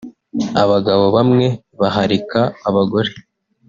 abagabo bamwe baharika abagore